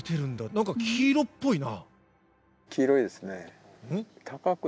何か黄色っぽいな。